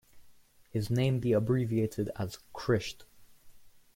His name be abbreviated as Krysht.